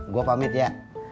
gua pamit ya